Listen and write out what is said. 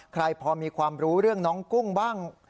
ใครพอมีความรู้เรื่องน้องกุ้งบ้าง